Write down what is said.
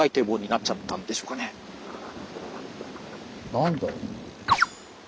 何だろう。